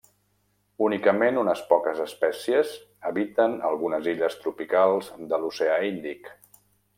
Únicament unes poques espècies habiten algunes illes tropicals de l'Oceà Índic.